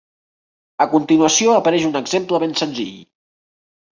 A continuació apareix un exemple ben senzill.